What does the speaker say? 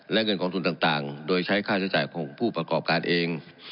และเงินกองทุนต่างโดยใช้ค่าใช้จ่ายของผู้ประกอบการเอง